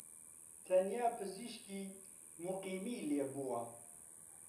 تەنیا پزیشکیی موقیمی لێبووە